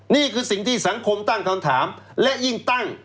นี่คือสิ่งที่สังคมตั้งคำถามและยิ่งตั้ง